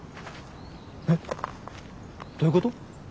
えっ？どういうこと？